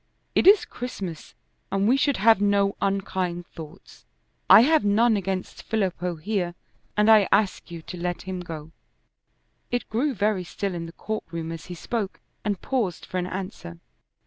It is Christmas, and we should have no unkind thoughts. I have none against Filippo here, and I ask you to let him go." It grew very still in the court room as he spoke and paused for an answer.